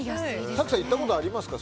早紀さんは行ったことありますか？